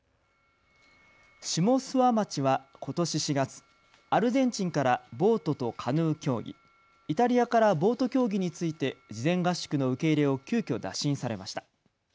下諏訪町はことし４月、アルゼンチンからボートとカヌー競技、イタリアからボート競技について事前合宿の受け入れを急きょ、打診されました。